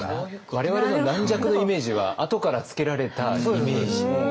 我々の「軟弱」のイメージは後からつけられたイメージ？